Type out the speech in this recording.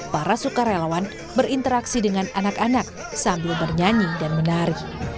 para sukarelawan berinteraksi dengan anak anak sambil bernyanyi dan menari